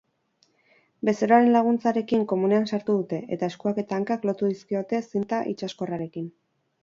Bezeroaren laguntzarekin komunean sartu dute eta eskuak eta hankak lotu dizkiote zinta itsaskorrarekin.